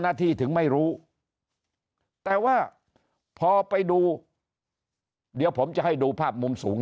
ที่ถึงไม่รู้แต่ว่าพอไปดูเดี๋ยวผมจะให้ดูภาพมุมสูง